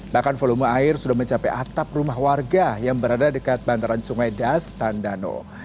bahkan volume air sudah mencapai atap rumah warga yang berada dekat bantaran sungai das tandano